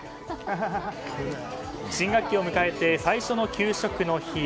新学期を迎えて、最初の給食の日。